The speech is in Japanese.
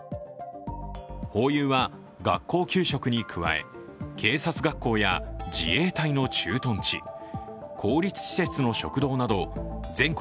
ホーユーは学校給食に加え警察学校や自衛隊の駐屯地、公立施設の食堂など、全国